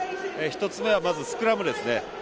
１つ目はスクラムですね。